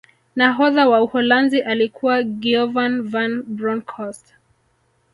nahodha wa uholanzi alikuwa giovan van bronkhost